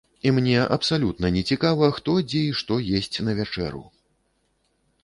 І мне абсалютна не цікава, хто, дзе і што есць на вячэру!